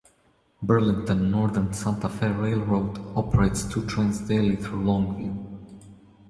Burlington Northern Santa Fe Railroad operates two trains daily through Longview.